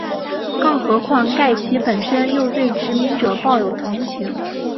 更何况盖奇本身又对殖民者抱有同情。